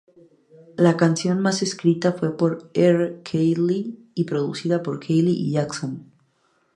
La canción fue escrita por R. Kelly y producida por Kelly y Jackson.